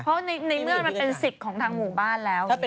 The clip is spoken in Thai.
เพราะในเมื่อมันเป็นสิทธิ์ของทางหมู่บ้านแล้ว